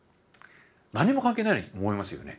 何も関係ないように思いますよね。